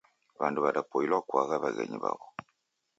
Wandu wadapoila kuagha waghenyi wawo.